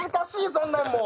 そんなんもう。